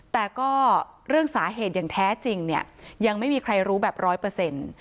แต่ก็เรื่องสาเหตุอย่างแท้จริงเนี่ยยังไม่มีใครรู้แบบร้อยเปอร์เซ็นต์